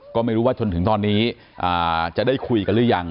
ก็ไม่รู้ว่าจนถึงตอนนี้จะได้คุยกันหรือยัง